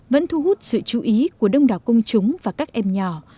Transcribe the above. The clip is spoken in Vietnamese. vẫn thu hút sự chú ý của đông đảo công chúng và các em nhỏ